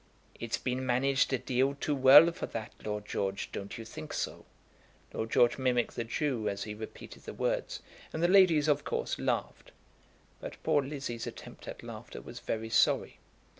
'It's been managed a deal too well for that, Lord George; don't you think so?'" Lord George mimicked the Jew as he repeated the words, and the ladies, of course, laughed. But poor Lizzie's attempt at laughter was very sorry.